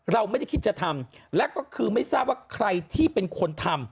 เราไม่ได้คิดจะทำและก็คือไม่ทราบว่าใครที่เป็นคนทำ